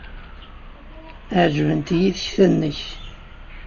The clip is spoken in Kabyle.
Ɛejbent-iyi tekta-nnek.